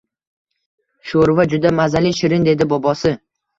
– Sho‘rva juda mazali, shirin, – dedi bobosi